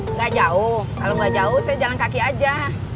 enggak jauh kalau enggak jauh saya jalan kaki aja